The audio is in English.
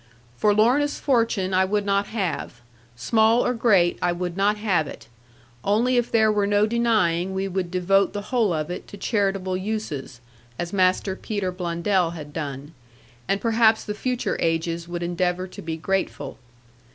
For Lorna's fortune I would not have; small or great I would not have it; only if there were no denying we would devote the whole of it to charitable uses, as Master Peter Blundell had done; and perhaps the future ages would endeavour to be grateful.